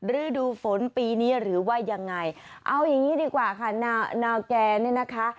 ฤดูฝนปีนี้หรือว่ายังไงเอาอย่างนี้ดีกว่าค่ะนาวแกเนี่ยนะคะ